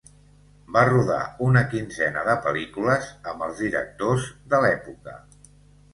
Va rodar una quinzena de pel·lícules amb els directors de l'època.